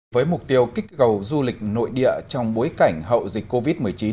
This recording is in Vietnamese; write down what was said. với mục tiêu kích cầu du lịch nội địa trong bối cảnh hậu dịch covid một mươi chín